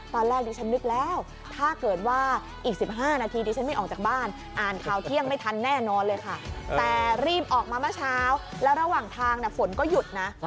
แต่รีบออกมาเมื่อเช้าแล้วระหว่างทางฝนก็หยุดนะ